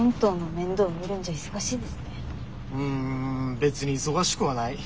別に忙しくはない。